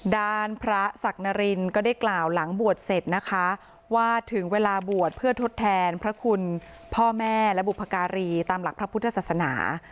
ด้านพระศักดรินก็ได้กล่าวหลังบวชเสร็จนะคะว่าถึงเวลาบวชเพื่อทดแทนพระคุณพ่อแม่และบุพการีตามหลักพระพุทธศาสนา